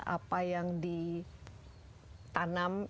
apa yang ditanam